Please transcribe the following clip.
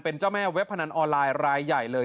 เป็นเจ้าแม่เว็บพนันออนไลน์รายใหญ่เลย